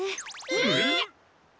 えっ！？